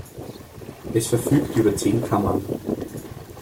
Es verfügt über zehn Kammern.